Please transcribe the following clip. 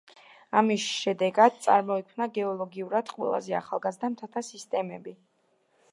ამის შედეგად წარმოიქმნა გეოლოგიურად ყველაზე ახალგაზრდა მთათა სისტემები.